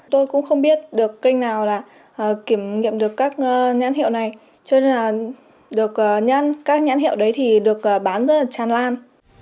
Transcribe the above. tôi cũng không biết được kênh nào kiểm nghiệm được các nhãn hiệu này cho nên các nhãn hiệu đấy được bán rất là tràn lan